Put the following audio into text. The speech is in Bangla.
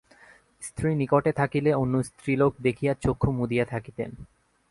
স্ত্রী নিকটে থাকিলে অন্য স্ত্রীলোক দেখিয়া চক্ষু মুদিয়া থাকিতেন।